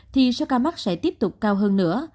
thì số ca mắc sẽ tiếp tục cao hơn nữa